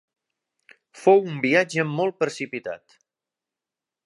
Fou un viatge molt precipitat.